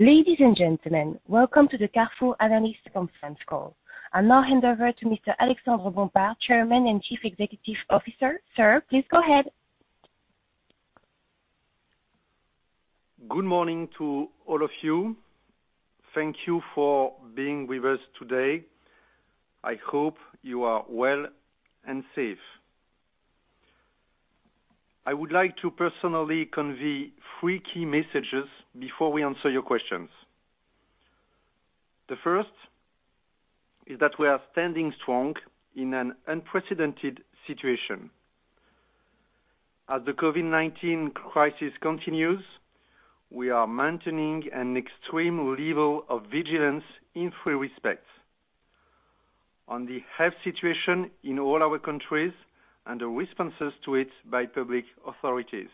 Ladies and gentlemen, welcome to the Carrefour Analyst Conference Call. I now hand over to Mr. Alexandre Bompard, Chairman and Chief Executive Officer. Sir, please go ahead. Good morning to all of you. Thank you for being with us today. I hope you are well and safe. I would like to personally convey three key messages before we answer your questions. The first is that we are standing strong in an unprecedented situation. As the COVID-19 crisis continues, we are maintaining an extreme level of vigilance in three respects. On the health situation in all our countries and the responses to it by public authorities.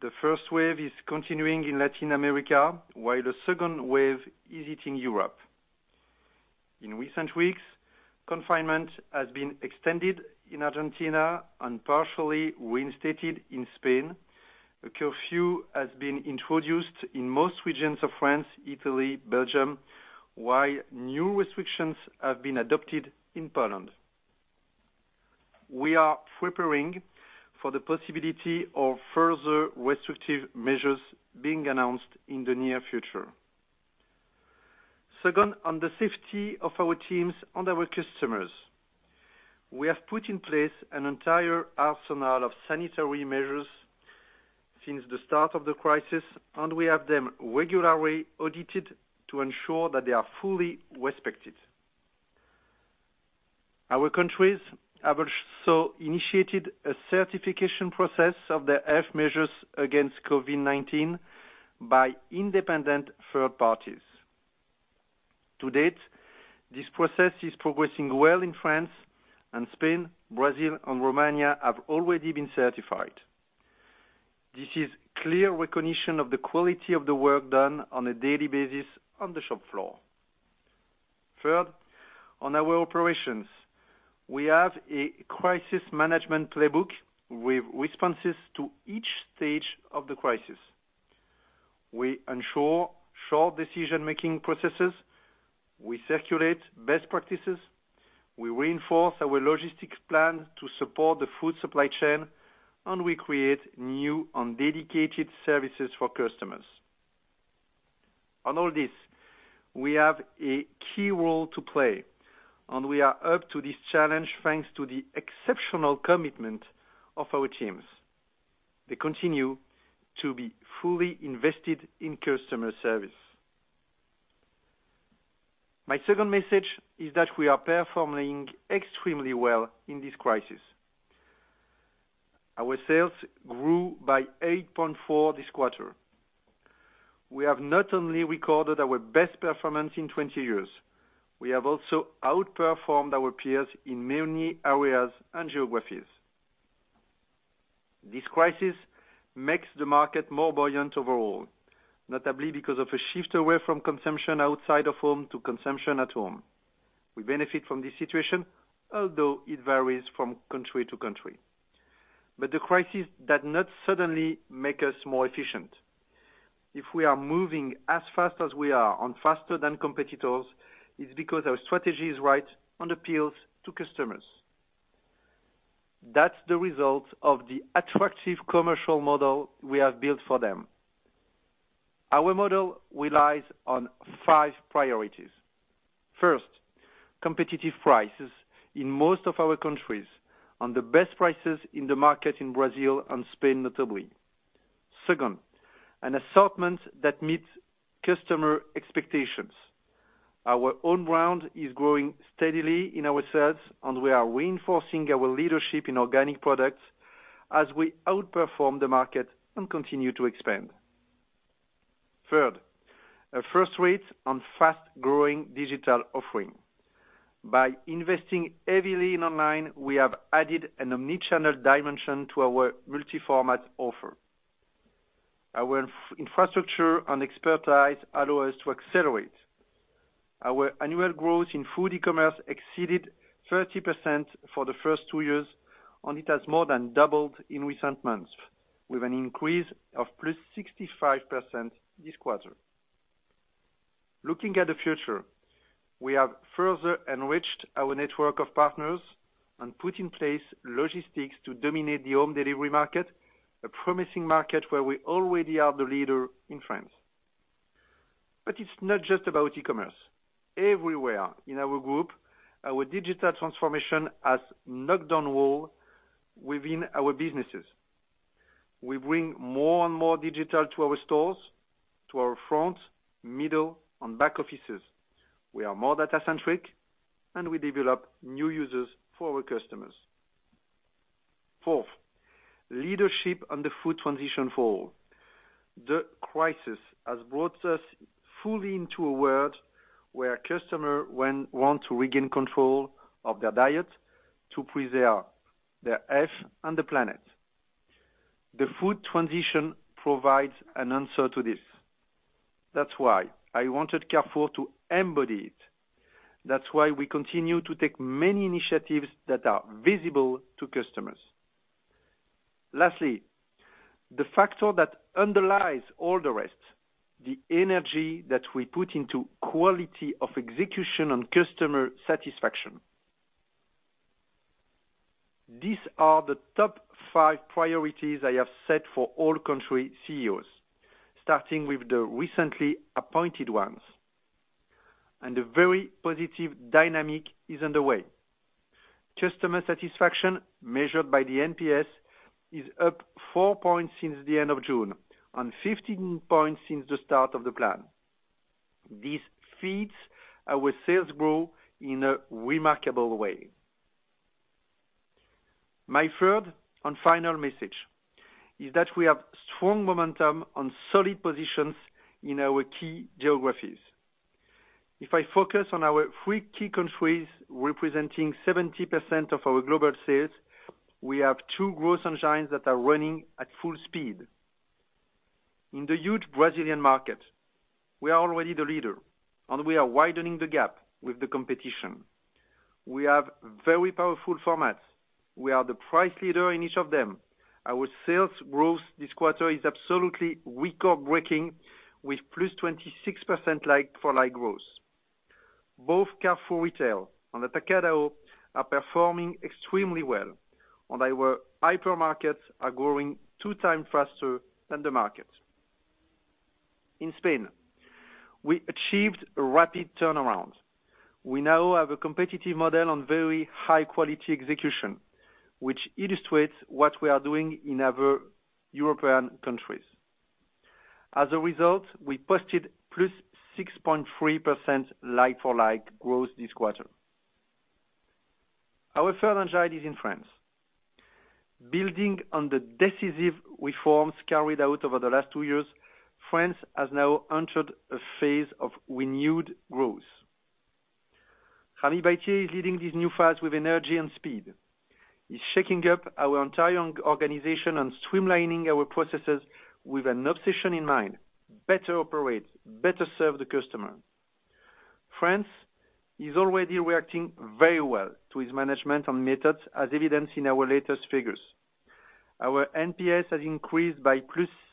The first wave is continuing in Latin America, while the second wave is hitting Europe. In recent weeks, confinement has been extended in Argentina and partially reinstated in Spain. A curfew has been introduced in most regions of France, Italy, Belgium, while new restrictions have been adopted in Poland. We are preparing for the possibility of further restrictive measures being announced in the near future. Second, on the safety of our teams and our customers. We have put in place an entire arsenal of sanitary measures since the start of the crisis, and we have them regularly audited to ensure that they are fully respected. Our countries have also initiated a certification process of their health measures against COVID-19 by independent third parties. To date, this process is progressing well in France and Spain. Brazil and Romania have already been certified. This is clear recognition of the quality of the work done on a daily basis on the shop floor. Third, on our operations. We have a crisis management playbook with responses to each stage of the crisis. We ensure short decision-making processes. We circulate best practices. We reinforce our logistics plan to support the food supply chain, and we create new and dedicated services for customers. On all this, we have a key role to play, and we are up to this challenge, thanks to the exceptional commitment of our teams. They continue to be fully invested in customer service. My second message is that we are performing extremely well in this crisis. Our sales grew by 8.4% this quarter. We have not only recorded our best performance in 20 years, we have also outperformed our peers in many areas and geographies. This crisis makes the market more buoyant overall, notably because of a shift away from consumption outside of home to consumption at home. We benefit from this situation, although it varies from country to country. The crisis did not suddenly make us more efficient. If we are moving as fast as we are and faster than competitors, it's because our strategy is right and appeals to customers. That's the result of the attractive commercial model we have built for them. Our model relies on five priorities. First, competitive prices in most of our countries and the best prices in the market in Brazil and Spain, notably. Second, an assortment that meets customer expectations. Our own brand is growing steadily in our sales, and we are reinforcing our leadership in organic products as we outperform the market and continue to expand. Third, a first-rate and fast-growing digital offering. By investing heavily in online, we have added an omni-channel dimension to our multi-format offer. Our infrastructure and expertise allow us to accelerate. Our annual growth in food e-commerce exceeded 30% for the first two years, and it has more than doubled in recent months with an increase of +65% this quarter. Looking at the future, we have further enriched our network of partners and put in place logistics to dominate the home delivery market, a promising market where we already are the leader in France. It's not just about e-commerce. Everywhere in our group, our digital transformation has knocked down walls within our businesses. We bring more and more digital to our stores, to our front, middle, and back offices. We are more data-centric, and we develop new uses for our customers. Fourth, leadership and the food transition for all. The crisis has brought us fully into a world where customers want to regain control of their diet to preserve their health and the planet. The food transition provides an answer to this. That's why I wanted Carrefour to embody it. That's why we continue to take many initiatives that are visible to customers. Lastly, the factor that underlies all the rest, the energy that we put into quality of execution and customer satisfaction. These are the top five priorities I have set for all country CEOs, starting with the recently appointed ones. A very positive dynamic is underway. Customer satisfaction measured by the NPS is up four points since the end of June and 15 points since the start of the plan. This feeds our sales growth in a remarkable way. My third and final message is that we have strong momentum on solid positions in our key geographies. If I focus on our three key countries representing 70% of our global sales, we have two growth engines that are running at full speed. In the huge Brazilian market, we are already the leader, and we are widening the gap with the competition. We have very powerful formats. We are the price leader in each of them. Our sales growth this quarter is absolutely record-breaking with +26% like-for-like growth. Both Carrefour Retail and Atacadão are performing extremely well, and our hypermarkets are growing 2x faster than the market. In Spain, we achieved a rapid turnaround. We now have a competitive model on very high-quality execution, which illustrates what we are doing in other European countries. As a result, we posted +6.3% like-for-like growth this quarter. Our third engine is in France. Building on the decisive reforms carried out over the last two years, France has now entered a phase of renewed growth. Rami Baitiéh is leading this new phase with energy and speed. He's shaking up our entire organization and streamlining our processes with an obsession in mind, better operate, better serve the customer. France is already reacting very well to his management and methods, as evidenced in our latest figures. Our NPS has increased by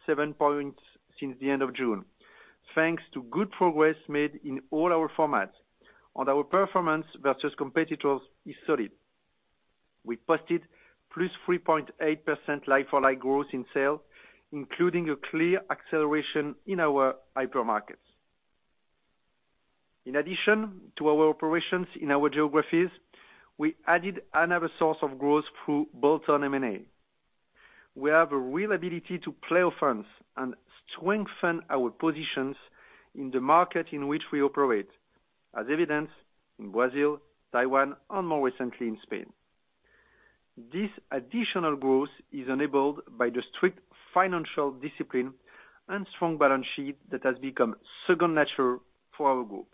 +7 points since the end of June, thanks to good progress made in all our formats, and our performance versus competitors is solid. We posted plus 3.8% like-for-like growth in sales, including a clear acceleration in our hypermarkets. In addition to our operations in our geographies, we added another source of growth through bolt-on M&A. We have a real ability to play offense and strengthen our positions in the market in which we operate, as evidenced in Brazil, Taiwan, and more recently, in Spain. This additional growth is enabled by the strict financial discipline and strong balance sheet that has become second nature for our group.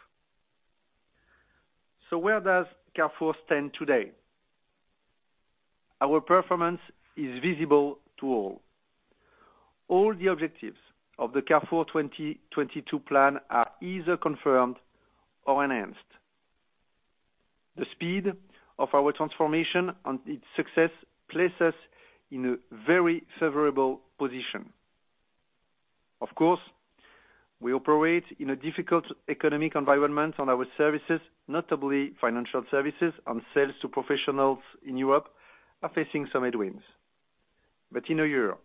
Where does Carrefour stand today? Our performance is visible to all. All the objectives of the Carrefour 2022 plan are either confirmed or enhanced. The speed of our transformation and its success places us in a very favorable position. Of course, we operate in a difficult economic environment, and our services, notably financial services and sales to professionals in Europe, are facing some headwinds. In a year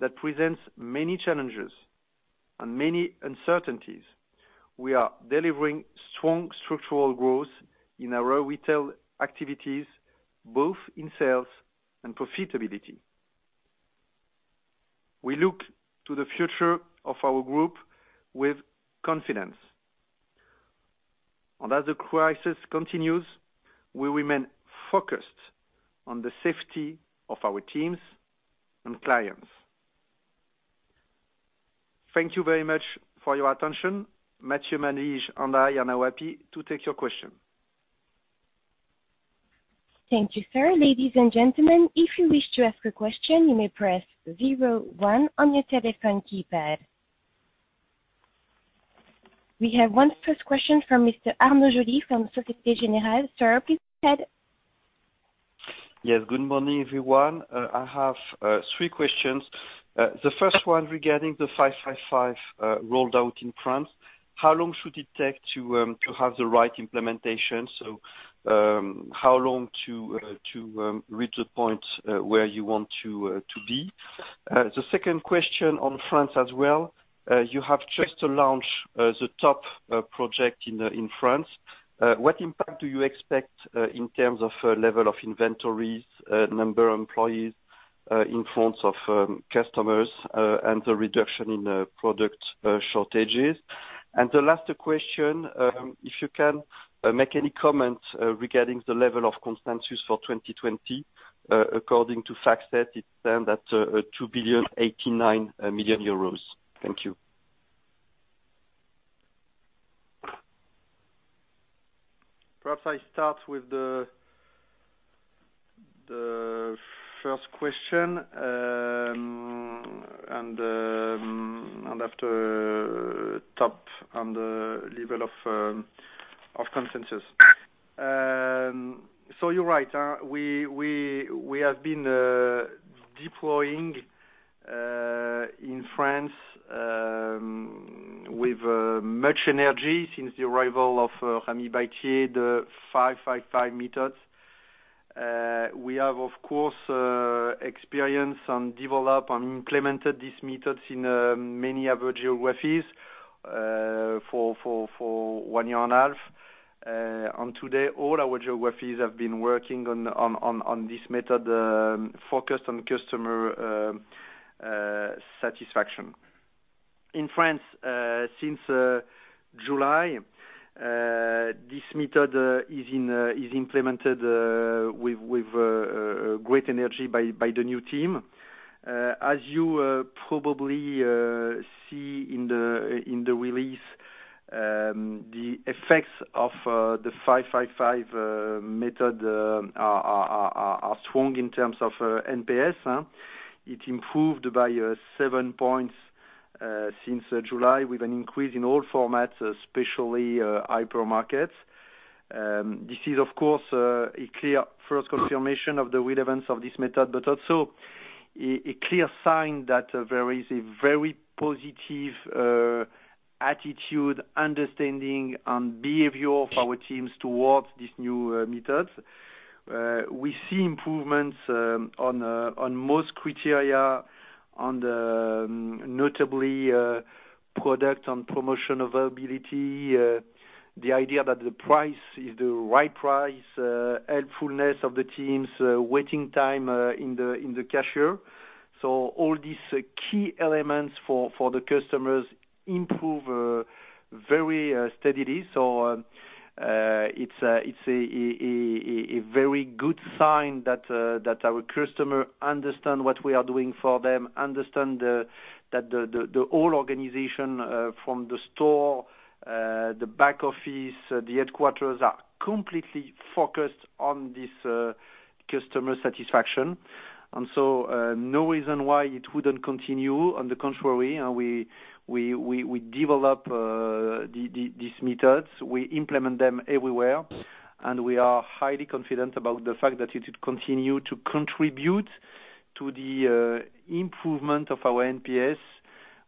that presents many challenges and many uncertainties, we are delivering strong structural growth in our retail activities, both in sales and profitability. We look to the future of our group with confidence. As the crisis continues, we remain focused on the safety of our teams and clients. Thank you very much for your attention. Matthieu Malige and I are now happy to take your questions. Thank you, sir. Ladies and gentlemen, if you wish to ask a question, you may press zero one on your telephone keypad. We have one first question from Mr. Arnaud Joly from Societe Generale. Sir, please go ahead. Yes. Good morning, everyone. I have three questions. The first one regarding the 555 rolled out in France, how long should it take to have the right implementation? How long to reach the point where you want to be? The second question on France as well. You have just launched the TOP project in France. What impact do you expect in terms of level of inventories, number of employees in France of customers, and the reduction in product shortages? The last question, if you can make any comments regarding the level of consensus for 2020. According to FactSet, it stand at 2.089 billion. Thank you. Perhaps I start with the first question. After top on the level of consensus. You're right. We have been deploying in France with much energy since the arrival of Rami Baitiéh, the 555 methods. We have, of course, experience on develop and implemented these methods in many other geographies for one year and a half. Today, all our geographies have been working on this method, focused on customer satisfaction. In France, since July, this method is implemented with great energy by the new team. As you probably see in the release, the effects of the 555 method are strong in terms of NPS. It improved by seven points since July with an increase in all formats, especially hypermarkets. This is, of course, a clear first confirmation of the relevance of this method, also a clear sign that there is a very positive attitude, understanding, and behavior of our teams towards these new methods. We see improvements on most criteria, on notably product and promotion availability, the idea that the price is the right price, helpfulness of the teams, waiting time in the cashier. All these key elements for the customers improve very steadily. It's a very good sign that our customers understand what we are doing for them, understand that the whole organization, from the store, the back office, the headquarters, are completely focused on this customer satisfaction. No reason why it wouldn't continue. On the contrary, we develop these methods, we implement them everywhere, and we are highly confident about the fact that it continue to contribute to the improvement of our NPS,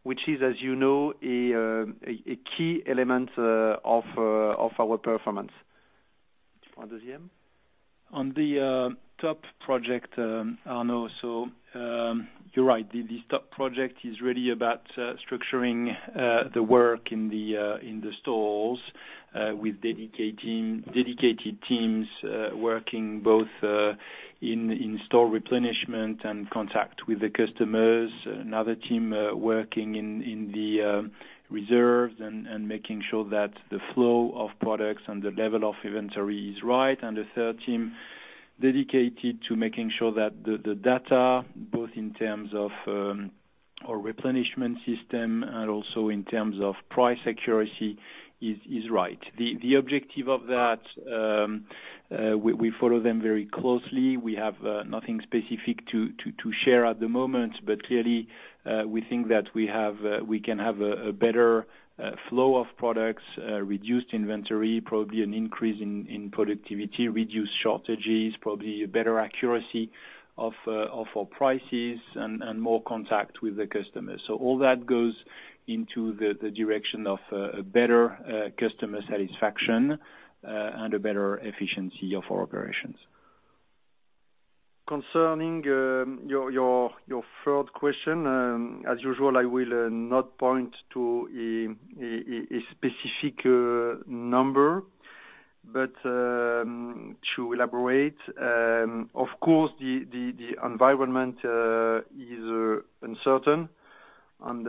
which is, as you know, a key element of our performance. On the TOP project, Arnaud, you're right. The TOP project is really about structuring the work in the stores, with dedicated teams working both in store replenishment and contact with the customers. Another team working in the reserves and making sure that the flow of products and the level of inventory is right, and a third team dedicated to making sure that the data, both in terms of our replenishment system and also in terms of price accuracy, is right. The objective of that, we follow them very closely. We have nothing specific to share at the moment. Clearly, we think that we can have a better flow of products, reduced inventory, probably an increase in productivity, reduced shortages, probably a better accuracy of our prices, and more contact with the customers. All that goes into the direction of a better customer satisfaction and a better efficiency of our operations. Concerning your third question, as usual, I will not point to a specific number. To elaborate, of course, the environment is uncertain and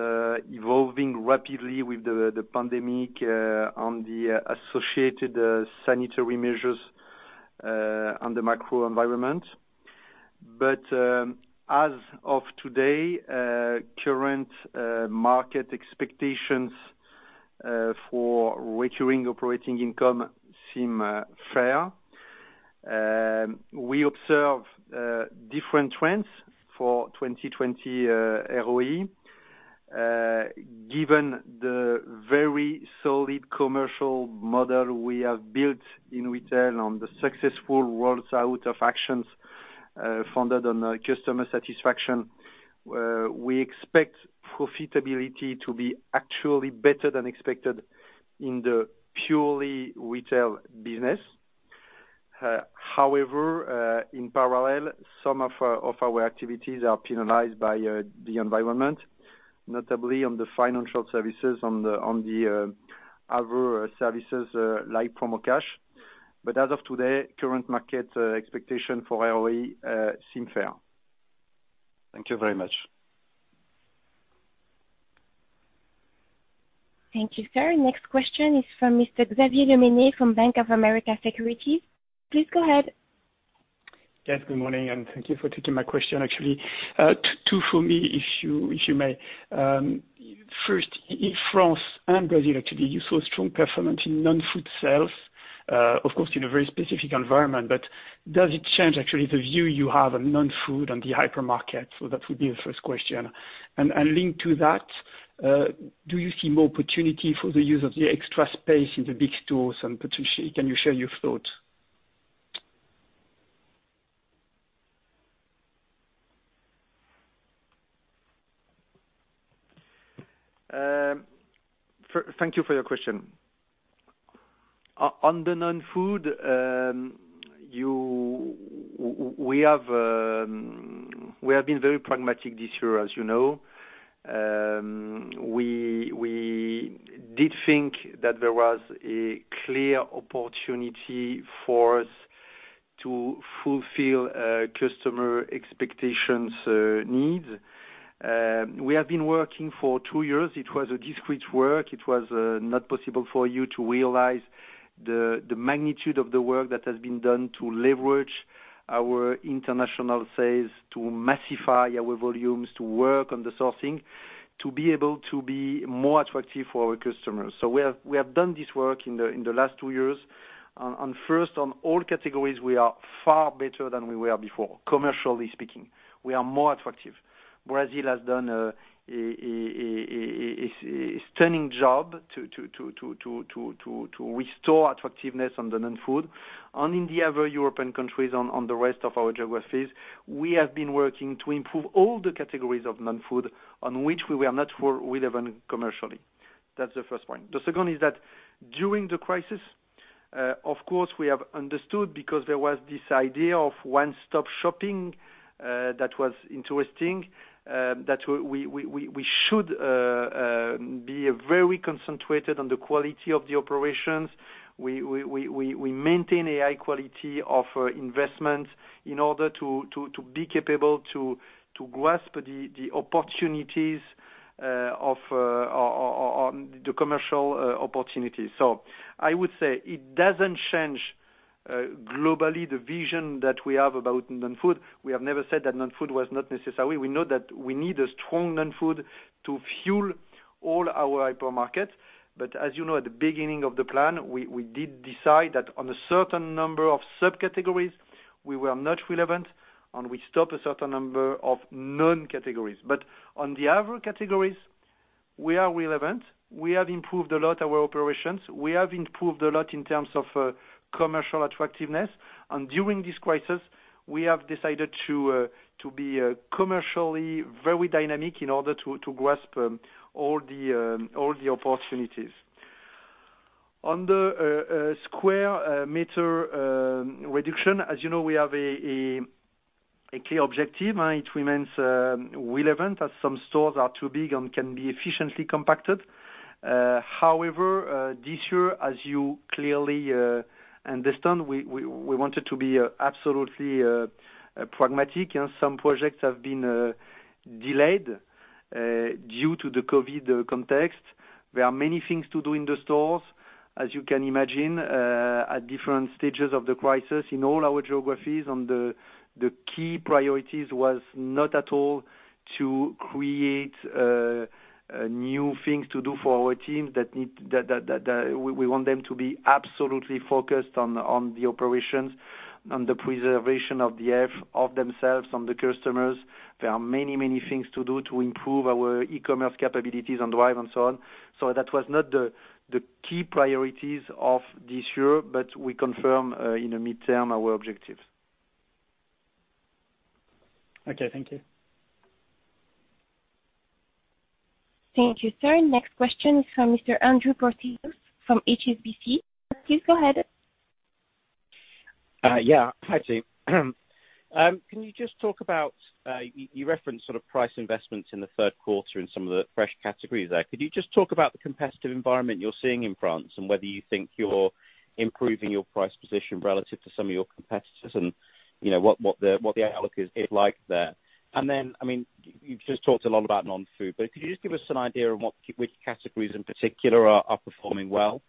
evolving rapidly with the pandemic and the associated sanitary measures and the macro environment. As of today, current market expectations for recurring operating income seem fair. We observe different trends for 2020 ROI. Given the very solid commercial model we have built in retail on the successful rollout of actions funded on customer satisfaction, we expect profitability to be actually better than expected in the purely retail business. In parallel, some of our activities are penalized by the environment, notably on the financial services, on the other services like Promocash. As of today, current market expectation for ROI seem fair. Thank you very much. Thank you, sir. Next question is from Mr. Xavier Le Mené from Bank of America Securities. Please go ahead. Yes, good morning. Thank you for taking my question actually. Two for me, if you may. First, in France and Brazil, actually, you saw strong performance in non-food sales, of course, in a very specific environment. Does it change actually the view you have on non-food and the hypermarket? That would be the first question. Linked to that, do you see more opportunity for the use of the extra space in the big stores and potentially, can you share your thoughts? Thank you for your question. On the non-food, we have been very pragmatic this year, as you know. We did think that there was a clear opportunity for us to fulfill customer expectations needs. We have been working for two years. It was a discreet work. It was not possible for you to realize the magnitude of the work that has been done to leverage our international sales, to massify our volumes, to work on the sourcing, to be able to be more attractive for our customers. We have done this work in the last two years. First, on all categories, we are far better than we were before, commercially speaking. We are more attractive. Brazil has done a stunning job to restore attractiveness on the non-food. On Italy, other European countries, on the rest of our geographies, we have been working to improve all the categories of non-food on which we were not relevant commercially. That's the first point. The second is that during the crisis, of course, we have understood because there was this idea of one-stop shopping that was interesting, that we should be very concentrated on the quality of the operations. We maintain a high quality of investment in order to be capable to grasp the commercial opportunities. I would say it doesn't change globally the vision that we have about non-food. We have never said that non-food was not necessary. We know that we need a strong non-food to fuel all our hypermarkets. As you know, at the beginning of the plan, we did decide that on a certain number of subcategories, we were not relevant, and we stopped a certain number of non-categories. On the other categories, we are relevant. We have improved a lot our operations. We have improved a lot in terms of commercial attractiveness. During this crisis, we have decided to be commercially very dynamic in order to grasp all the opportunities. On the square meter reduction, as you know, we have a key objective. It remains relevant as some stores are too big and can be efficiently compacted. However, this year, as you clearly understand, we wanted to be absolutely pragmatic, and some projects have been delayed due to the COVID context. There are many things to do in the stores, as you can imagine, at different stages of the crisis in all our geographies. The key priorities was not at all to create new things to do for our teams. We want them to be absolutely focused on the operations, on the preservation of the health of themselves, on the customers. There are many things to do to improve our e-commerce capabilities on drive and so on. That was not the key priorities of this year, but we confirm in the midterm our objectives. Okay, thank you. Thank you, sir. Next question is from Mr. Andrew Porteous from HSBC. Please go ahead. Yeah. Hi, Jean. You referenced sort of price investments in the third quarter in some of the fresh categories there. Could you just talk about the competitive environment you're seeing in France and whether you think you're improving your price position relative to some of your competitors and what the outlook is like there? You've just talked a lot about non-food, but could you just give us an idea of which categories in particular are performing well?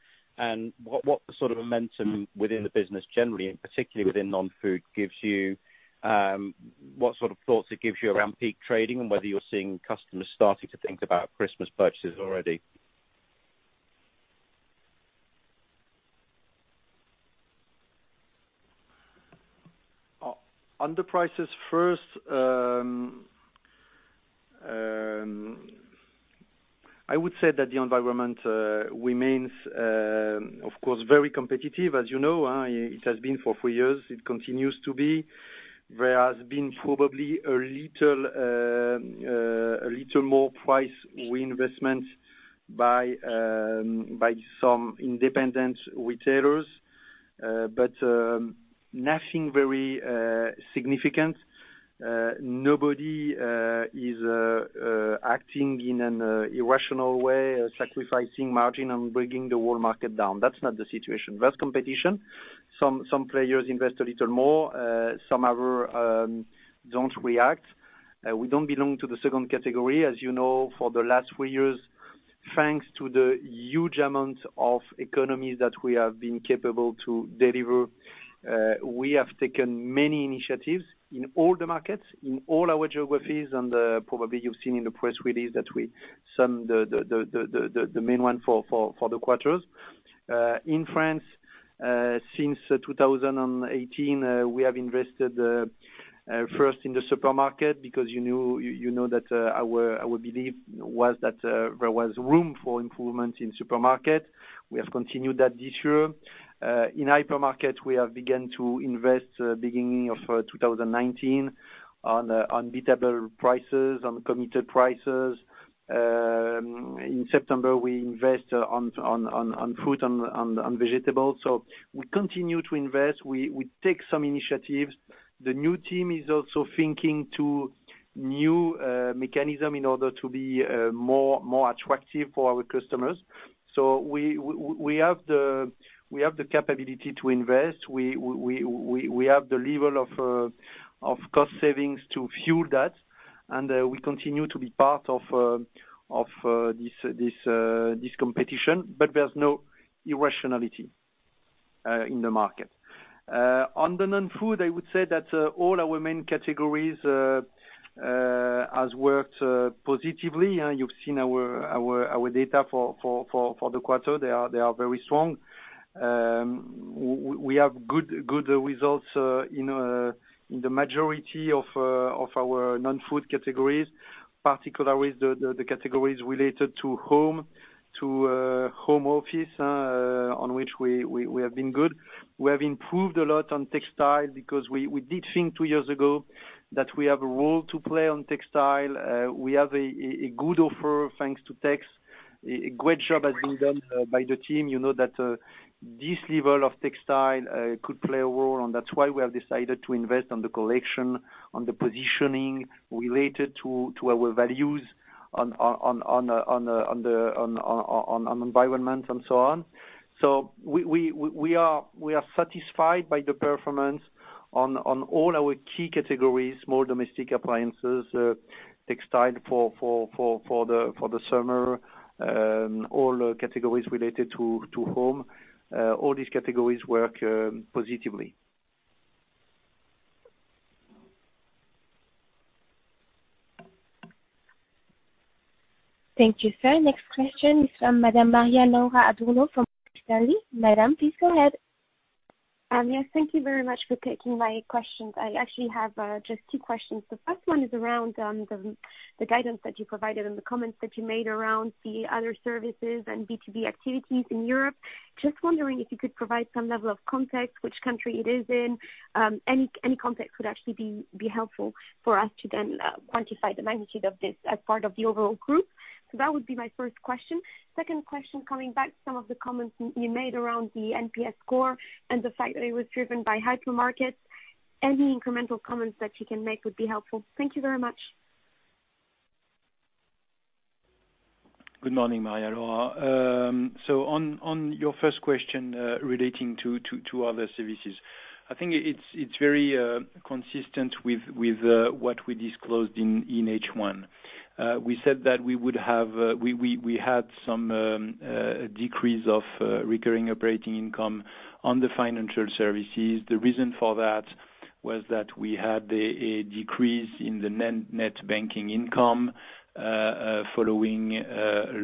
What sort of momentum within the business generally, and particularly within non-food, what sort of thoughts it gives you around peak trading and whether you're seeing customers starting to think about Christmas purchases already? On the prices first, I would say that the environment remains, of course, very competitive. As you know, it has been for three years. It continues to be. There has been probably a little more price reinvestment by some independent retailers, nothing very significant. Nobody is acting in an irrational way, sacrificing margin and bringing the whole market down. That's not the situation. There's competition. Some players invest a little more, some other don't react. We don't belong to the second category. As you know, for the last three years. Thanks to the huge amount of economies that we have been capable to deliver, we have taken many initiatives in all the markets, in all our geographies, and probably you've seen in the press release some of the main ones for the quarters. In France, since 2018, we have invested first in the supermarket because you know that our belief was that there was room for improvement in supermarket. We have continued that this year. In hypermarket, we have begun to invest beginning of 2019 on unbeatable prices, on committed prices. In September, we invest on fruit and vegetables. We continue to invest. We take some initiatives. The new team is also thinking to new mechanism in order to be more attractive for our customers. We have the capability to invest. We have the level of cost savings to fuel that, and we continue to be part of this competition, but there's no irrationality in the market. On the non-food, I would say that all our main categories has worked positively. You've seen our data for the quarter. They are very strong. We have good results in the majority of our non-food categories, particularly the categories related to home office, on which we have been good. We have improved a lot on textile because we did think two years ago that we have a role to play on textile. We have a good offer, thanks to TEX. A great job has been done by the team. You know that this level of textile could play a role, and that's why we have decided to invest on the collection, on the positioning related to our values on environment and so on. We are satisfied by the performance on all our key categories, small domestic appliances, textile for the summer, all categories related to home. All these categories work positively. Thank you, sir. Next question is from Madame Maria-Laura Adurno from Morgan Stanley. Madam, please go ahead. Yes, thank you very much for taking my questions. I actually have just two questions. The first one is around the guidance that you provided and the comments that you made around the other services and B2B activities in Europe. Just wondering if you could provide some level of context, which country it is in. Any context could actually be helpful for us to then quantify the magnitude of this as part of the overall group. That would be my first question. Second question, coming back to some of the comments you made around the NPS score and the fact that it was driven by hypermarkets. Any incremental comments that you can make would be helpful. Thank you very much. Good morning, Maria-Laura. On your first question relating to other services, I think it's very consistent with what we disclosed in H1. We said that we had some decrease of recurring operating income on the financial services. The reason for that was that we had a decrease in the net banking income following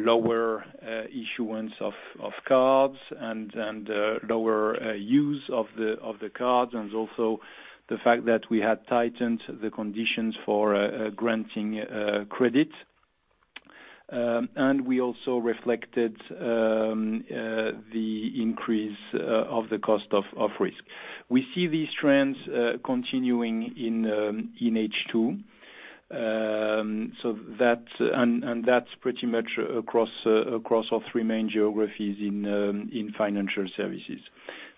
lower issuance of cards and lower use of the cards, and also the fact that we had tightened the conditions for granting credit. We also reflected the increase of the cost of risk. We see these trends continuing in H2. That's pretty much across all three main geographies in financial services.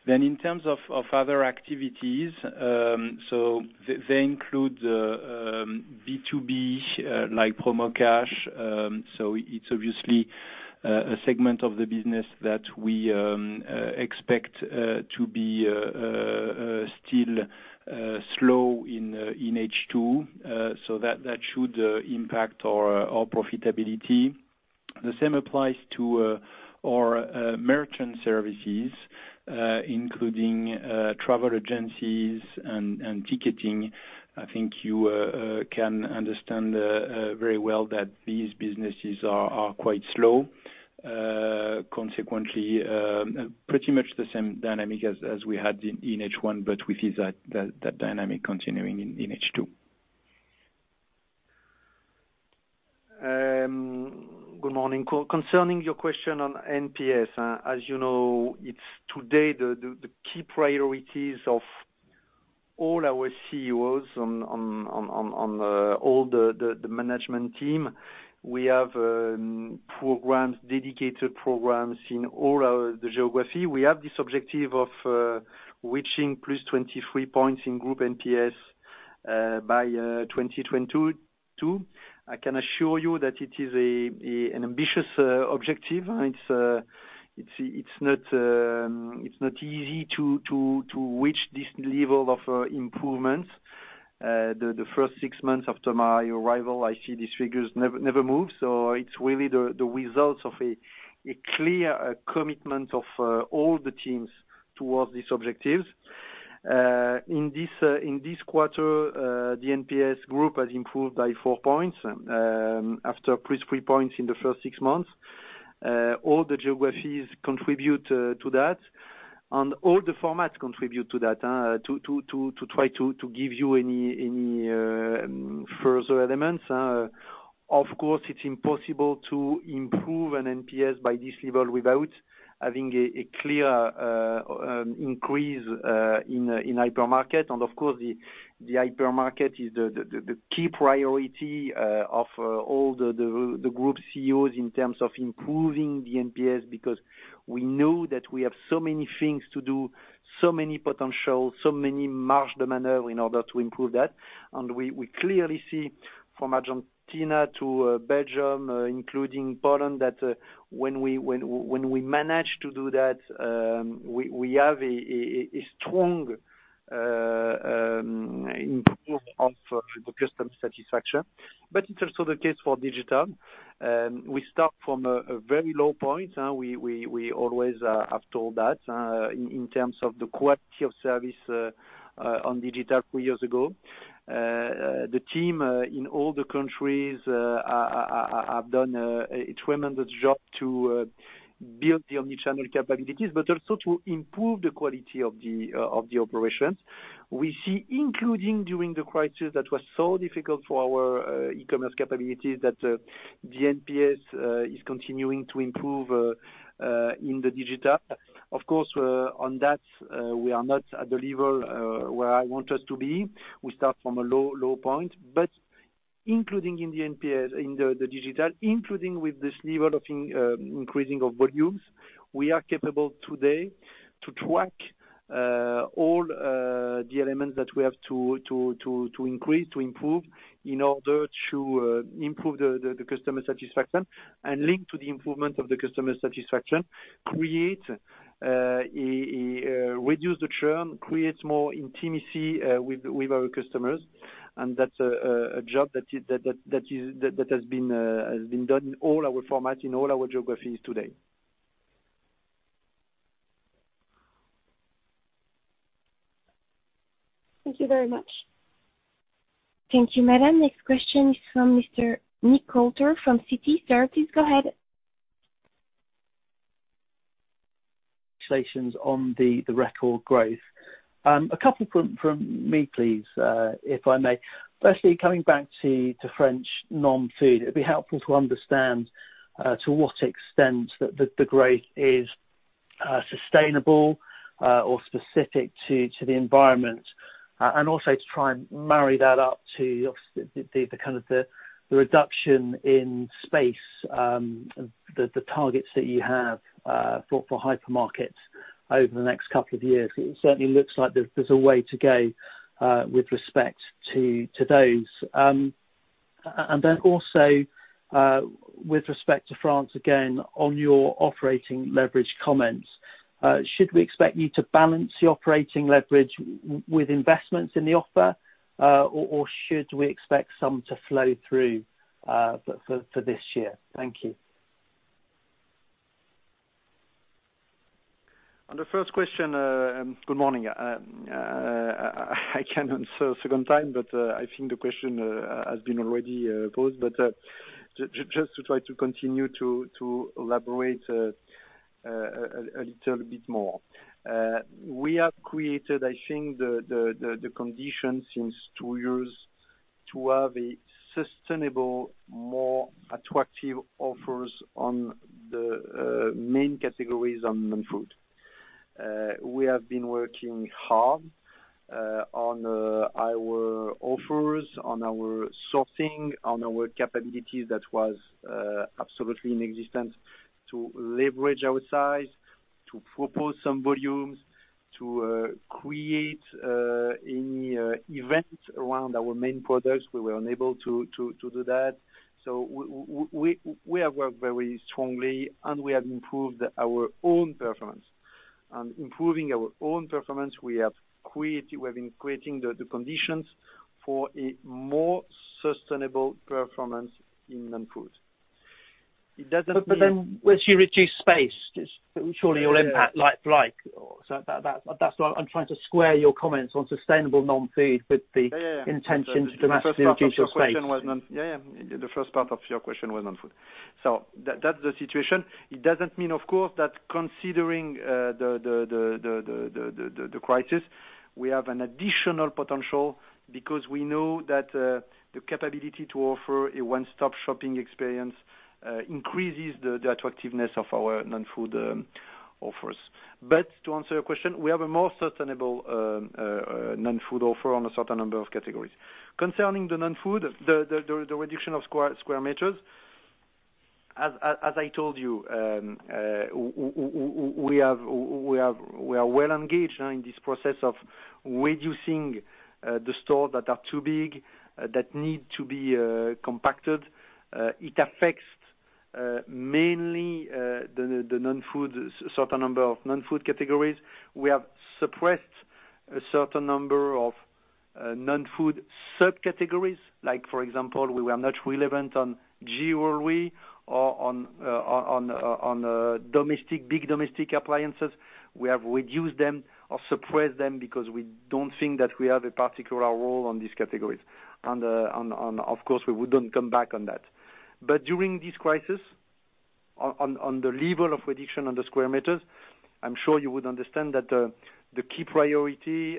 In terms of other activities, they include B2B, like Promocash. It's obviously a segment of the business that we expect to be still slow in H2, so that should impact our profitability. The same applies to our merchant services, including travel agencies and ticketing. I think you can understand very well that these businesses are quite slow. Pretty much the same dynamic as we had in H1, but we see that dynamic continuing in H2. Good morning. Concerning your question on NPS, as you know, it's today the key priorities of all our CEOs on all the management team. We have dedicated programs in all the geography. We have this objective of reaching plus 23 points in group NPS by 2022. I can assure you that it is an ambitious objective. It's not easy to reach this level of improvement. The first six months after my arrival, I see these figures never move. It's really the results of a clear commitment of all the teams towards these objectives. In this quarter, the NPS group has improved by four points after plus three points in the first six months. All the geographies contribute to that, and all the formats contribute to that, to try to give you any further elements. Of course, it is impossible to improve an NPS by this level without having a clear increase in hypermarket. Of course, the hypermarket is the key priority of all the group CEOs in terms of improving the NPS, because we know that we have so many things to do, so many potentials, so many marge de manœuvre, in order to improve that. We clearly see from Argentina to Belgium, including Poland, that when we manage to do that, we have a strong improvement of the customer satisfaction. It is also the case for digital. We start from a very low point. We always have told that in terms of the quality of service on digital three years ago. The team in all the countries have done a tremendous job to build the omni-channel capabilities, but also to improve the quality of the operations. We see, including during the crisis that was so difficult for our e-commerce capabilities, that the NPS is continuing to improve in the digital. Of course, on that, we are not at the level where I want us to be. We start from a low point, but including in the NPS, in the digital, including with this level of increasing of volumes, we are capable today to track all the elements that we have to increase, to improve, in order to improve the customer satisfaction and link to the improvement of the customer satisfaction, reduce the churn, creates more intimacy with our customers. That's a job that has been done in all our formats, in all our geographies today. Thank you very much. Thank you, madam. Next question is from Mr. Nick Coulter from Citi. Sir, please go ahead. Congratulations on the record growth. A couple from me, please, if I may. Firstly, coming back to French non-food, it'd be helpful to understand to what extent that the growth is sustainable or specific to the environment. Also to try and marry that up to obviously the kind of the reduction in space, the targets that you have for hypermarket over the next couple of years. It certainly looks like there's a way to go with respect to those. Also with respect to France, again, on your operating leverage comments, should we expect you to balance the operating leverage with investments in the offer? Should we expect some to flow through for this year? Thank you. On the first question, good morning. I can answer a second time, but I think the question has been already posed, but just to try to continue to elaborate a little bit more. We have created, I think, the condition since two years to have a sustainable, more attractive offers on the main categories on non-food. We have been working hard on our offers, on our sourcing, on our capabilities that was absolutely non-existent to leverage our size, to propose some volumes, to create any event around our main products. We were unable to do that. We have worked very strongly, and we have improved our own performance. Improving our own performance, we have been creating the conditions for a more sustainable performance in non-food. It doesn't mean. But then you reduced space? Surely you'll impact like. That's why I'm trying to square your comments on sustainable non-food with the intention to dramatically reduce your space. The first part of your question was non-food. Yeah. The first part of your question was non-food. That's the situation. It doesn't mean, of course, that considering the crisis, we have an additional potential because we know that the capability to offer a one-stop shopping experience increases the attractiveness of our non-food offers. To answer your question, we have a more sustainable non-food offer on a certain number of categories. Concerning the non-food, the reduction of square meters, as I told you, we are well engaged in this process of reducing the stores that are too big, that need to be compacted. It affects mainly the certain number of non-food categories. We have suppressed a certain number of non-food subcategories, for example, we were not relevant on jewelry or on big domestic appliances. We have reduced them or suppressed them because we don't think that we have a particular role in these categories. Of course, we wouldn't come back on that. During this crisis, on the level of reduction on the square meters, I'm sure you would understand that the key priority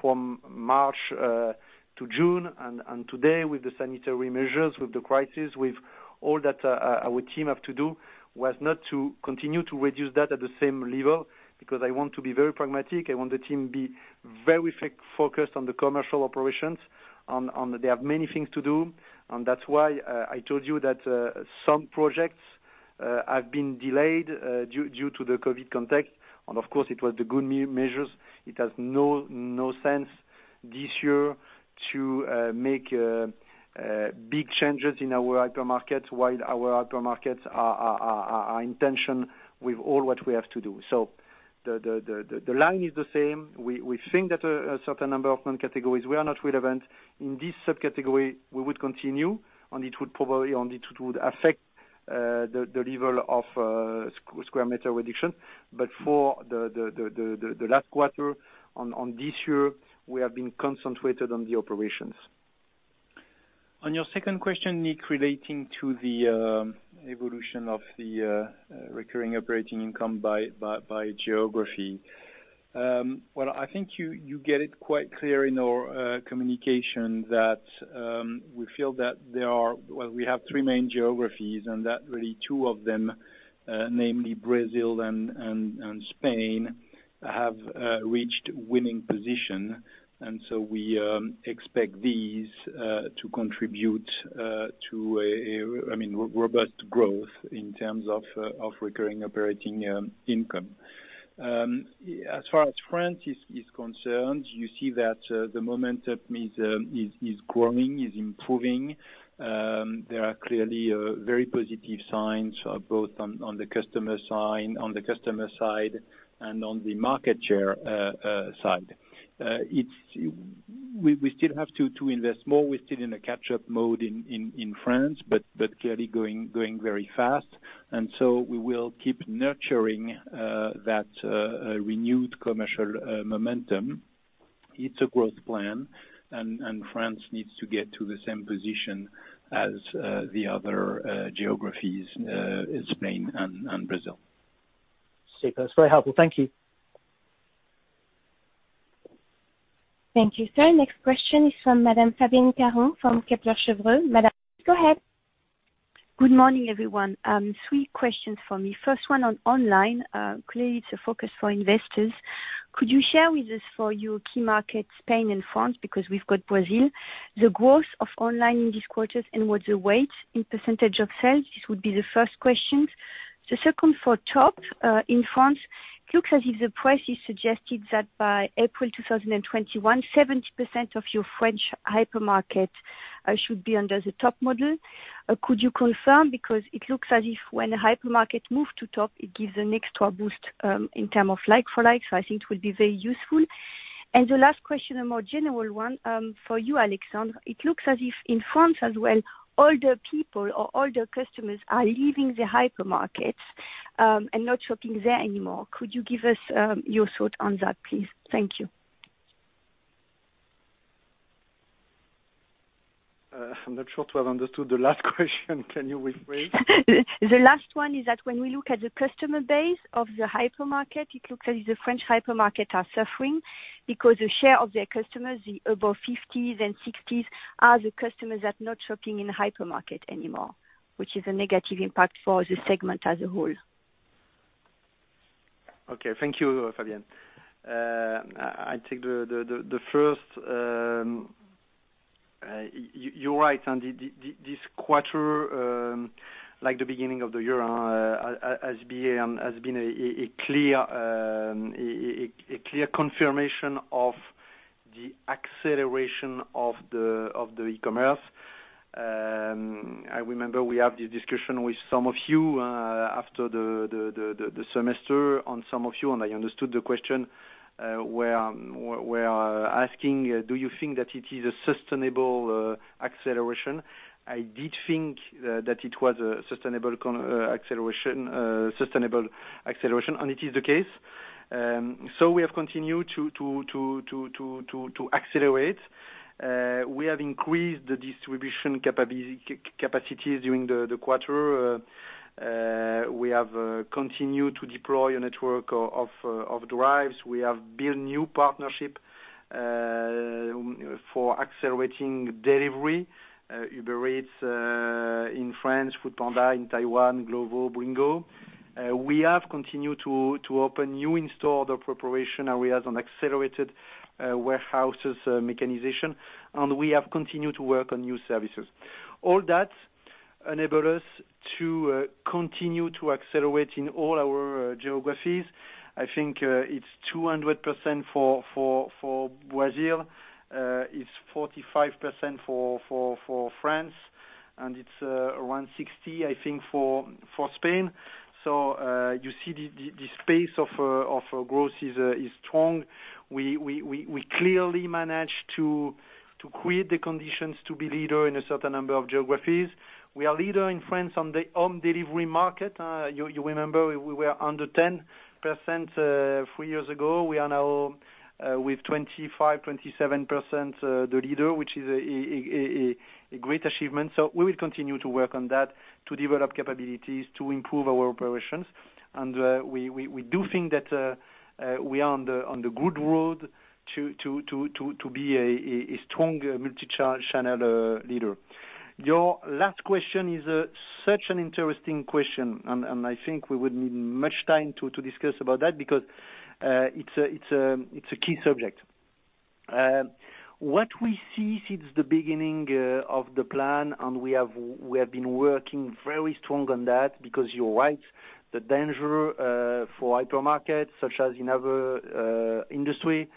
from March to June and today with the sanitary measures, with the crisis, with all that our team have to do, was not to continue to reduce that at the same level, because I want to be very pragmatic. I want the team to be very focused on the commercial operations. They have many things to do. That's why I told you that some projects have been delayed due to the COVID-19 context. Of course, it was the good measures. It has no sense this year to make big changes in our hypermarkets while our hypermarkets are in tension with all that we have to do. The line is the same. We think that a certain number of categories, we are not relevant. In this subcategory, we would continue, and it would affect the level of square meter reduction. For the last quarter on this year, we have been concentrated on the operations. On your second question, Nick, relating to the evolution of the recurring operating income by geography. Well, I think you get it quite clear in our communication that we feel that we have three main geographies, and that really two of them, namely Brazil and Spain, have reached winning position. We expect these to contribute to a robust growth in terms of recurring operating income. As far as France is concerned, you see that the momentum is growing, is improving. There are clearly very positive signs, both on the customer side and on the market share side. We still have to invest more. We are still in a catch-up mode in France, but clearly going very fast. We will keep nurturing that renewed commercial momentum. It is a growth plan, and France needs to get to the same position as the other geographies, Spain and Brazil. Super. It's very helpful. Thank you. Thank you, sir. Next question is from Madame Fabienne Caron from Kepler Cheuvreux. Madame, go ahead. Good morning, everyone. Three questions for me. First one on online. Clearly, it's a focus for investors. Could you share with us for your key markets, Spain and France, because we've got Brazil, the growth of online in this quarter and what the weight in percentage of sales? This would be the first question. The second for top. In France, it looks as if the price is suggested that by April 2021, 70% of your French hypermarket should be under the TOP model. Could you confirm? It looks as if when a hypermarket moves to top, it gives an extra boost in term of like-for-like. I think it will be very useful. The last question, a more general one for you, Alexandre. It looks as if in France as well, older people or older customers are leaving the hypermarket and not shopping there anymore. Could you give us your thought on that, please? Thank you. I'm not sure to have understood the last question. Can you rephrase? The last one is that when we look at the customer base of the hypermarket, it looks as if the French hypermarket are suffering because the share of their customers, above 50s and 60s, are the customers that not shopping in hypermarket anymore, which is a negative impact for the segment as a whole. Okay. Thank you, Fabienne. I take the first. You are right. This quarter, like the beginning of the year, has been a clear confirmation of the acceleration of the e-commerce. I remember we had this discussion with some of you after the semester and I understood the question, were asking, do you think that it is a sustainable acceleration? I did think that it was a sustainable acceleration, it is the case. We have continued to accelerate. We have increased the distribution capacity during the quarter. We have continued to deploy a network of drives. We have built new partnership for accelerating delivery. Uber Eats in France, Foodpanda in Taiwan, Glovo, Bringo. We have continued to open new in-store order preparation areas and accelerated warehouses mechanization, we have continued to work on new services. All that enabled us to continue to accelerate in all our geographies. I think it's 200% for Brazil, it's 45% for France. It's around 60%, I think, for Spain. You see this pace of growth is strong. We clearly managed to create the conditions to be leader in a certain number of geographies. We are leader in France on the home delivery market. You remember we were under 10% three years ago. We are now with 25%-27% the leader, which is a great achievement. We will continue to work on that to develop capabilities, to improve our operations. We do think that we are on the good road to be a strong multi-channel leader. Your last question is such an interesting question, and I think we would need much time to discuss about that because it's a key subject. What we see since the beginning of the plan, and we have been working very strong on that because you're right, the danger for hypermarket, such as in other industry.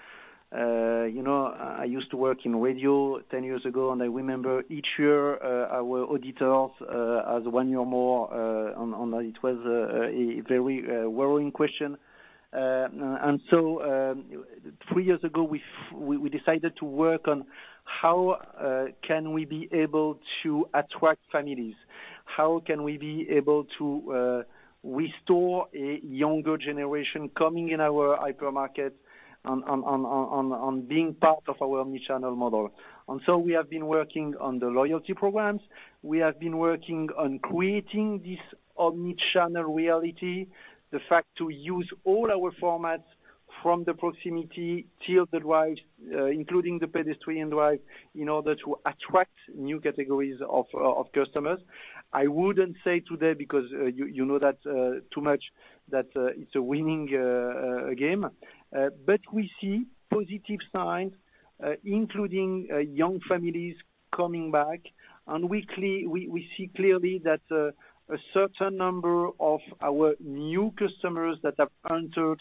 I used to work in radio 10 years ago, and I remember each year our auditors asked one year more on that it was a very worrying question. Three years ago, we decided to work on how can we be able to attract families. How can we be able to restore a younger generation coming in our hypermarket on being part of our omni-channel model. We have been working on the loyalty programs. We have been working on creating this omni-channel reality, the fact to use all our formats from the proximity till the drive including the pedestrian drive, in order to attract new categories of customers. I wouldn't say today because you know that too much that it's a winning game. We see positive signs including young families coming back. We see clearly that a certain number of our new customers that have entered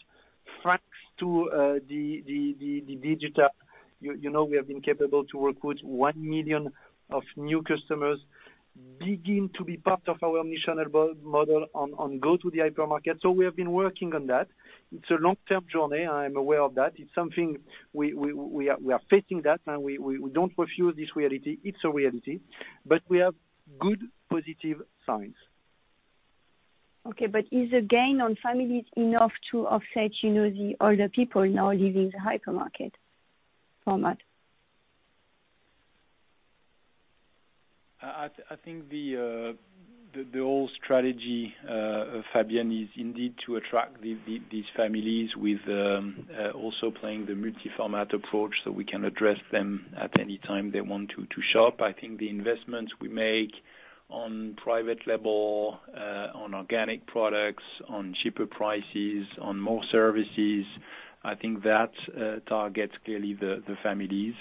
France through the digital, we have been capable to recruit 1 million of new customers, begin to be part of our omni-channel model and go to the hypermarket. We have been working on that. It's a long-term journey. I am aware of that. It's something we are facing that, and we don't refuse this reality. It's a reality, but we have good positive signs. Okay, is the gain on families enough to offset the older people now leaving the hypermarket format? I think the whole strategy, Fabienne, is indeed to attract these families with also playing the multi-format approach so we can address them at any time they want to shop. I think the investments we make on private label, on organic products, on cheaper prices, on more services, I think that targets clearly the families.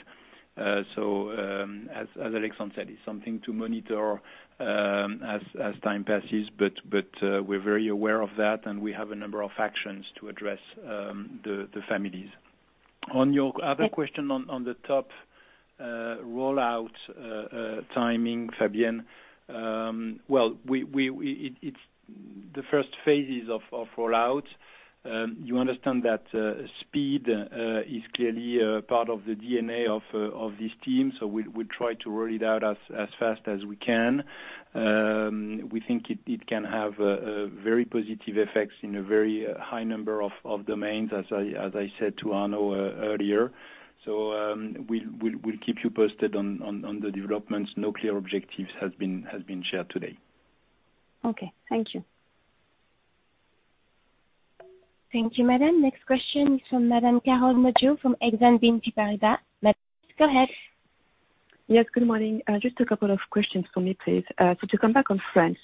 As Alexandre said, it's something to monitor as time passes, but we're very aware of that, and we have a number of actions to address the families. On your other question on the top rollout timing, Fabienne, well, the first phases of rollout, you understand that speed is clearly a part of the DNA of this team, we try to roll it out as fast as we can. We think it can have very positive effects in a very high number of domains, as I said to Arnaud earlier. We'll keep you posted on the developments. No clear objectives has been shared today. Okay. Thank you. Thank you, madam. Next question is from Madame Carole Madjo from Exane BNP Paribas. Madame, go ahead. Yes, good morning. Just a couple of questions for me, please. To come back on France,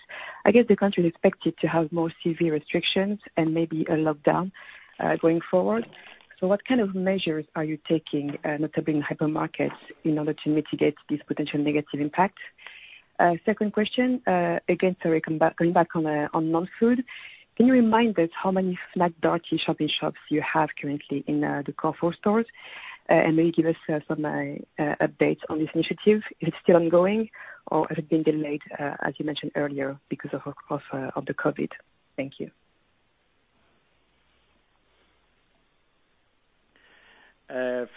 I guess the country is expected to have more severe restrictions and maybe a lockdown going forward. What kind of measures are you taking, notably in hypermarkets, in order to mitigate this potential negative impact? Second question, again, sorry, going back on non-food. Can you remind us how many Darty shop-in-shops you have currently in the Carrefour stores? Maybe give us some updates on this initiative. Is it still ongoing or has it been delayed, as you mentioned earlier because of the COVID-19? Thank you.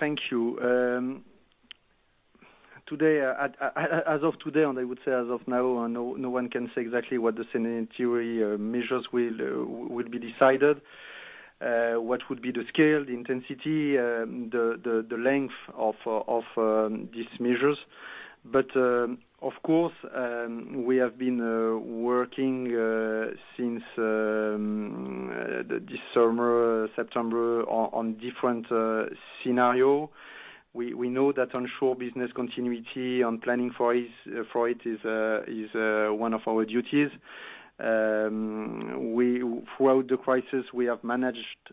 Thank you. As of today, I would say as of now, no one can say exactly what the sanitary measures will be decided, what would be the scale, the intensity, the length of these measures. Of course, we have been working since this summer, September, on different scenario. We know that ensure business continuity and planning for it is one of our duties. Throughout the crisis, we have managed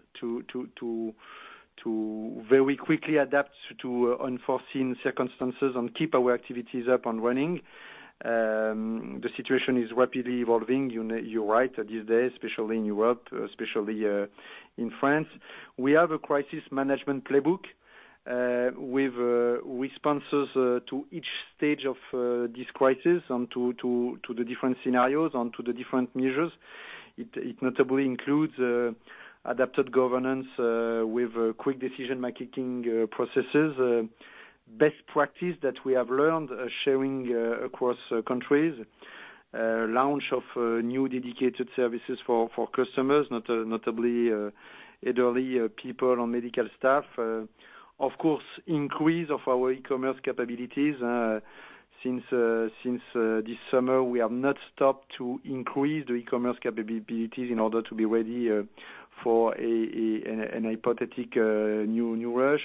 to very quickly adapt to unforeseen circumstances and keep our activities up and running. The situation is rapidly evolving, you're right, these days, especially in Europe, especially in France. We have a crisis management playbook with responses to each stage of this crisis and to the different scenarios and to the different measures. It notably includes adapted governance with quick decision-making processes, best practice that we have learned, sharing across countries, launch of new dedicated services for customers, notably elderly people and medical staff. Of course, increase of our e-commerce capabilities. Since this summer, we have not stopped to increase the e-commerce capabilities in order to be ready for a hypothetical new rush.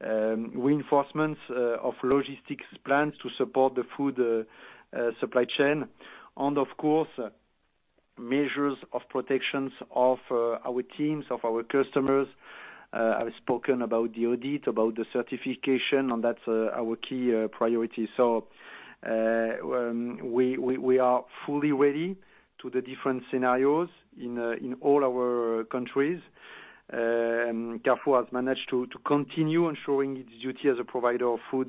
Reinforcements of logistics plans to support the food supply chain, of course, measures of protections of our teams, of our customers. I've spoken about the audit, about the certification, that's our key priority. We are fully ready to the different scenarios in all our countries. Carrefour has managed to continue ensuring its duty as a provider of food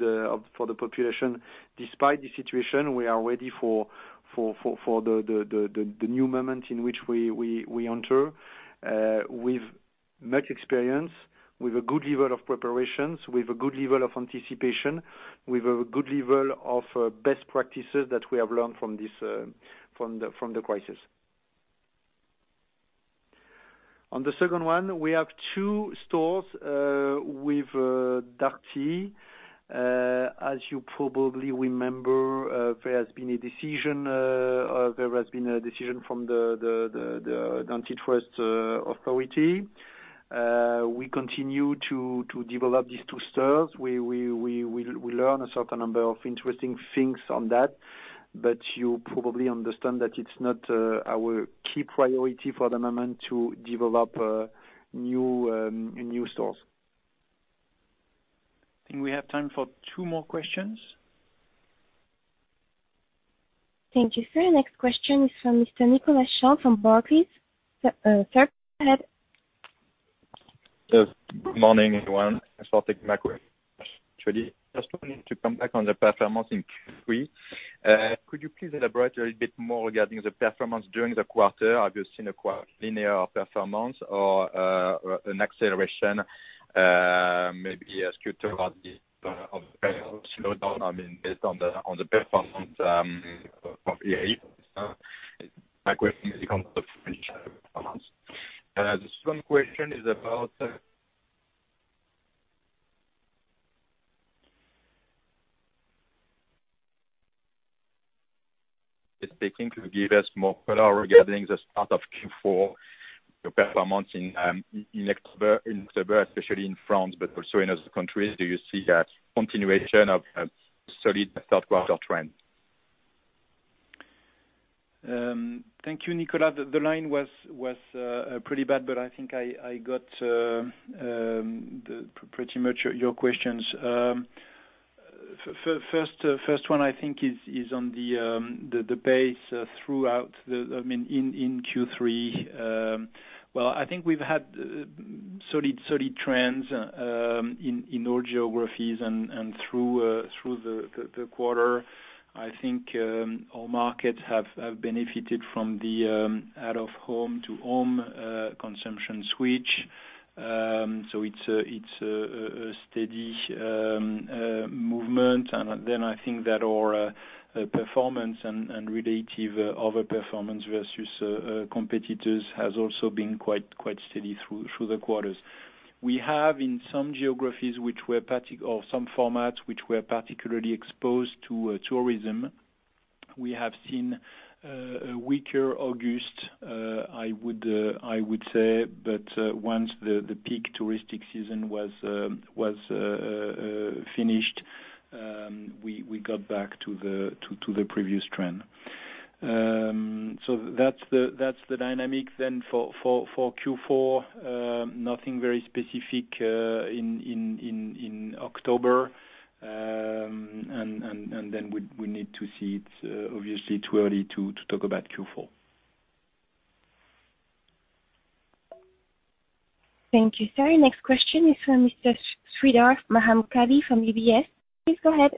for the population. Despite the situation, we are ready for the new moment in which we enter with much experience, with a good level of preparations, with a good level of anticipation, with a good level of best practices that we have learned from the crisis. On the second one, we have two stores with Darty. As you probably remember, there has been a decision from the antitrust authority. We continue to develop these two stores. We learn a certain number of interesting things on that. You probably understand that it's not our key priority for the moment to develop new stores. I think we have time for two more questions. Thank you, sir. Next question is from Mr. Nicolas Champ from Barclays. Sir, go ahead. Good morning, everyone. Thanks for taking my question. Actually, just wanted to come back on the performance in Q3. Could you please elaborate a little bit more regarding the performance during the quarter? Have you seen a quite linear performance or an acceleration, maybe a skew towards based on the performance from H1? My question is on the performance. The second question is about if they can give us more color regarding the start of Q4, your performance in October, especially in France, but also in other countries. Do you see a continuation of a solid third quarter trend? Thank you, Nicolas. I think I got pretty much your questions. First one, I think, is on the pace throughout in Q3. Well, I think we've had solid trends in all geographies through the quarter. I think our markets have benefited from the out-of-home-to-home consumption switch. It's a steady movement. I think that our performance and relative over performance versus competitors has also been quite steady through the quarters. We have in some geographies or some formats which were particularly exposed to tourism, we have seen a weaker August, I would say. Once the peak touristic season was finished, we got back to the previous trend. That's the dynamic then for Q4. Nothing very specific in October, we need to see. It's obviously too early to talk about Q4. Thank you, sir. Next question is from Mr. Sreedhar Mahamkali from UBS. Please go ahead.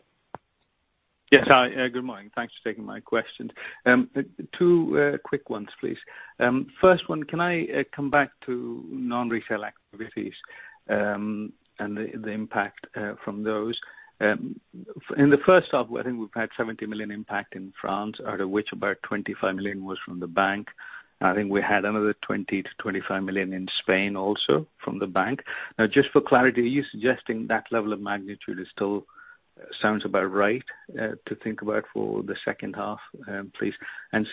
Yes. Hi, good morning. Thanks for taking my questions. Two quick ones, please. First one, can I come back to non-retail activities and the impact from those? In the first half, I think we've had 70 million impact in France, out of which about 25 million was from the bank. I think we had another 20 million to 25 million in Spain also from the bank. Now, just for clarity, are you suggesting that level of magnitude still sounds about right to think about for the second half, please?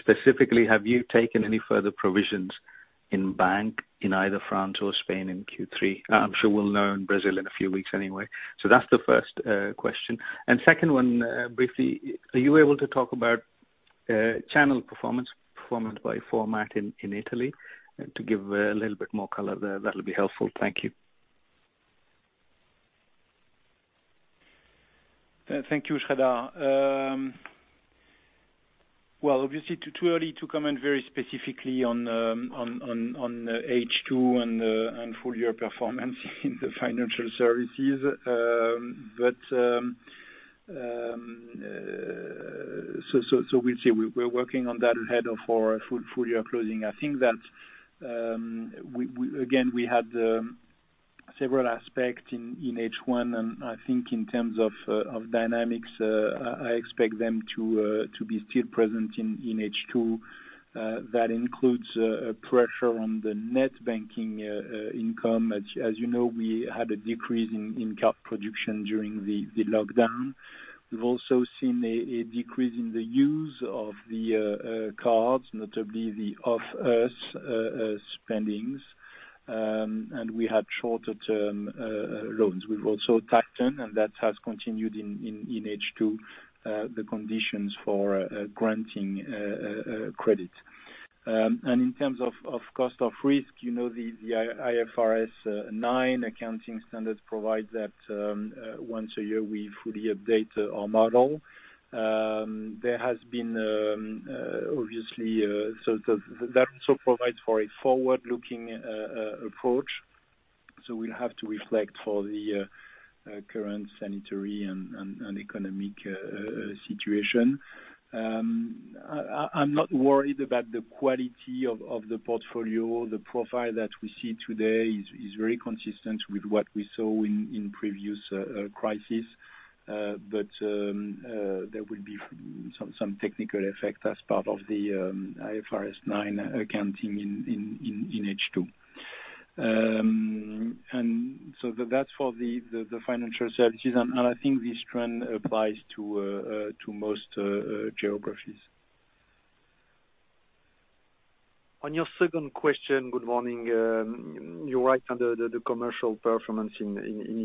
Specifically, have you taken any further provisions in bank in either France or Spain in Q3? I'm sure we'll know in Brazil in a few weeks anyway. That's the first question. Second one, briefly, are you able to talk about channel performance by format in Italy to give a little bit more color there? That'll be helpful. Thank you. Thank you, Sreedhar. Obviously too early to comment very specifically on the H2 and full-year performance in the financial services. We'll see. We're working on that ahead of our full-year closing. I think that, again, we had several aspects in H1, and I think in terms of dynamics, I expect them to be still present in H2. That includes pressure on the net banking income. As you know, we had a decrease in card production during the lockdown. We've also seen a decrease in the use of the cards, notably the off-us spendings, and we had shorter term loans. We've also tightened, and that has continued in H2, the conditions for granting credit. In terms of cost of risk, the IFRS 9 accounting standards provide that once a year, we fully update our model. That also provides for a forward-looking approach, so we'll have to reflect for the current sanitary and economic situation. I'm not worried about the quality of the portfolio. The profile that we see today is very consistent with what we saw in previous crisis. There will be some technical effect as part of the IFRS 9 accounting in H2. That's for the financial services, and I think this trend applies to most geographies. On your second question, good morning. You're right on the commercial performance in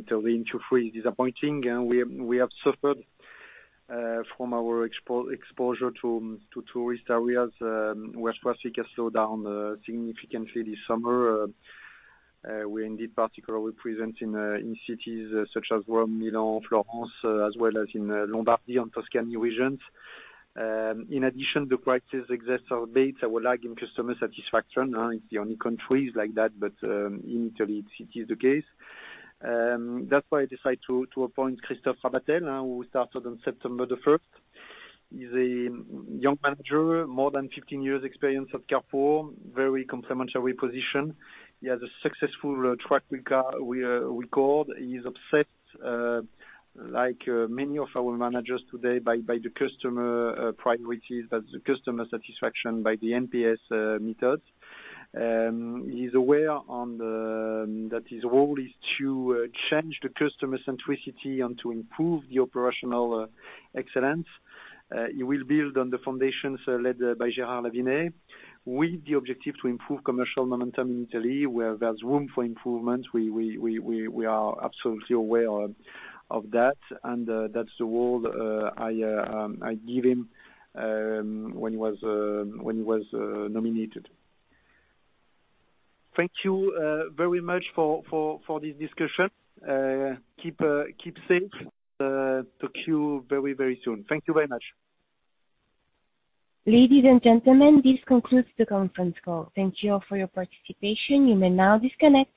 Italy, in Q3 is disappointing, and we have suffered from our exposure to tourist areas where traffic has slowed down significantly this summer. We're indeed particularly present in cities such as Rome, Milan, Florence, as well as in Lombardy and Tuscany regions. In addition, the crisis exacerbates, our lag in customer satisfaction. It's the only country is like that, but in Italy, it is the case. That's why I decided to appoint Christophe Rabatel, who started on September 1st. He's a young manager, more than 15 years experience at Carrefour, very complementary position. He has a successful track record and is upset, like many of our managers today, by the customer priorities, that the customer satisfaction by the NPS methods. He's aware that his role is to change the customer centricity and to improve the operational excellence. He will build on the foundations led by Gérard Lavinay with the objective to improve commercial momentum in Italy where there's room for improvement. We are absolutely aware of that, and that's the role I give him when he was nominated. Thank you very much for this discussion. Keep safe. Talk to you very, very soon. Thank you very much. Ladies and gentlemen, this concludes the conference call. Thank you all for your participation. You may now disconnect.